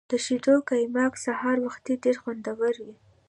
د شیدو قیماق سهار وختي ډیر خوندور وي.